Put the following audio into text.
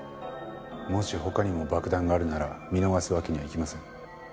もし他にも爆弾があるなら見逃すわけにはいきません。